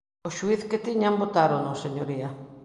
O xuíz que tiñan botárono, señoría.